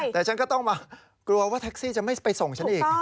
แต่ฉันก็ต้องมากลัวว่าแท็กซี่จะไม่ไปส่งฉันอีก